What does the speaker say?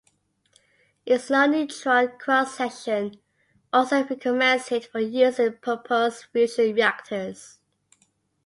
Its low neutron cross-section also recommends it for use in proposed fusion reactors.